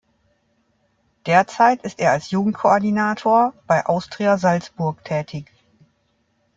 Derzeit ist er als Jugendkoordinator bei Austria Salzburg tätig.